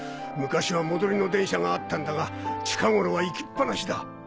昔は戻りの電車があったんだが近頃は行きっぱなしだ。